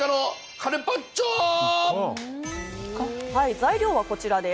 材料はこちらです。